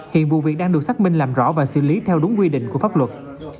hiện vụ việc đang được xác minh làm rõ và xử lý theo đúng quy định của pháp luật